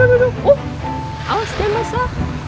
oh aduh aduh aduh awas tenang masa